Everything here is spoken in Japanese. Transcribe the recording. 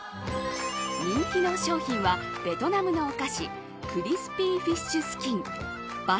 人気の商品はベトナムのお菓子クリスピーフィッシュスキン。